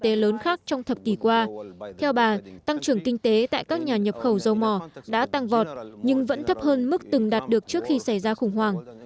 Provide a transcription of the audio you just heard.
theo bà tăng trưởng kinh tế tại các nhà nhập khẩu dầu mỏ đã tăng vọt nhưng vẫn thấp hơn mức từng đạt được trước khi xảy ra khủng hoảng